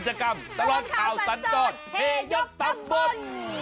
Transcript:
ตลอดข่าวสัญจรเฮยักษ์สำบรรย์